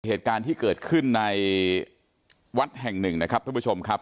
เหตุการณ์ที่เกิดขึ้นในวัดแห่งหนึ่งนะครับท่านผู้ชมครับ